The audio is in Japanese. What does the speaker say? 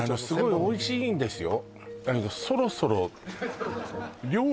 すごいおいしいんですよだけど料理？